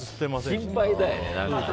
でも心配だよね。